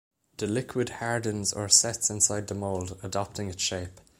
The liquid hardens or sets inside the mold, adopting its shape.